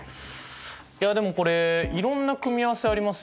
いやでもこれいろんな組み合わせありますよね。